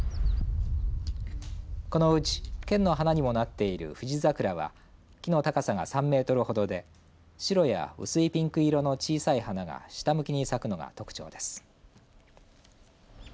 このうち県の花にもなっているフジザクラは木の高さが３メートルほどで白や薄いピンク色の小さい花が下向きに咲くのが特徴です。